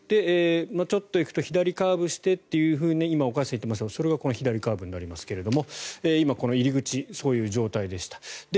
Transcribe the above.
ちょっと行くと左カーブしてと今、岡安さんが言っていましたが左カーブがここで今、この入り口そういう状態でした。